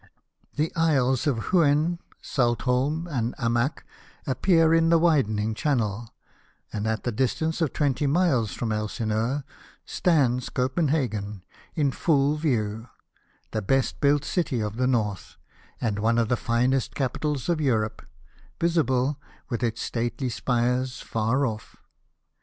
The isles of Huen, Saltholm, and Amak, appear in the widening channel; and at the distance of twenty miles from Elsineur, stands Copenhagen, in full view — the best built city of the North, and one of the finest capitals of Europe, visible, with its stately spires, far off.